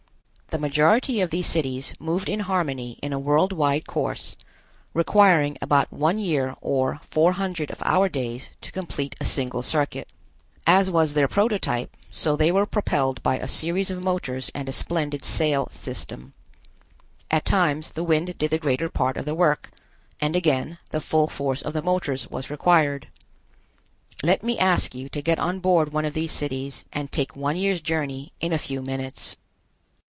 The majority of these cities moved in harmony in a world wide course, requiring about one year or four hundred of our days to complete a single circuit. As was their prototype, so they were propelled by a series of motors and a splendid sail system. At times the wind did the greater part of the work, and again the full force of the motors was required. Let me ask you to get on board one of these cities, and take one year's journey in a few minutes.